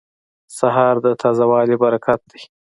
سهار د تازه والي برکت دی.